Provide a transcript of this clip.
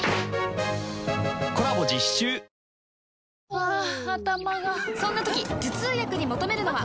ハァ頭がそんな時頭痛薬に求めるのは？